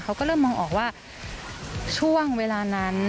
เขาก็เริ่มมองออกว่าช่วงเวลานั้น